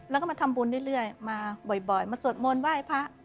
แล้วก็มาทำบุญเรื่อยมาบ่อยมาสวดมนต์ไหว้พระ